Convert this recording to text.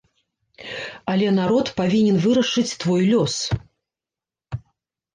Але народ павінен вырашыць твой лёс.